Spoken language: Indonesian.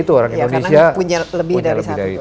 ya itu orang indonesia punya lebih dari satu dua